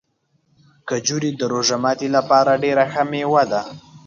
کجورې د روژه ماتي لپاره ډېره ښه مېوه ده.